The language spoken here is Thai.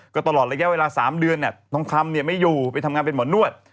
ก็ตลอดระยะเวลา๓เดือนทองคำไม่อยู่ไปทำงานเป็นหมอนวด